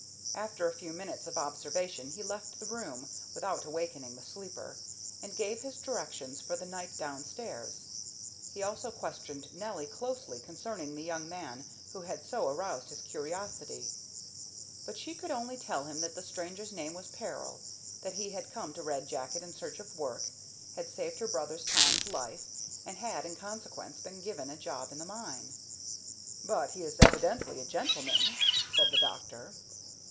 After a few minutes of observation he left the room, without awakening the sleeper, and gave his directions for the night down stairs. He also questioned Nelly closely concerning the young man who had so aroused his curiosity, but she could only tell him that the stranger's name was "Peril," that he had come to Red Jacket in search of work, had saved her brother's Tom's life, and had in consequence been given a job in the mine. "But he is evidently a gentleman?" said the doctor.